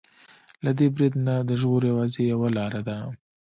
له دې برید نه د ژغور يوازې يوه لاره ده.